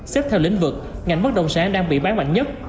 xếp theo lĩnh vực ngành bất động sản đang bị bán mạnh nhất